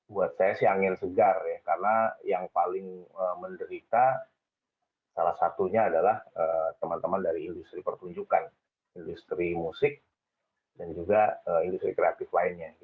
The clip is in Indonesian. buat saya sih angin segar ya karena yang paling menderita salah satunya adalah teman teman dari industri pertunjukan industri musik dan juga industri kreatif lainnya